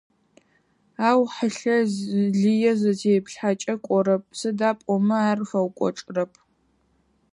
Ау хьылъэ лые зытеплъхьэкӏэ кӏорэп, сыда пӏомэ ар фэукӏочӏырэп.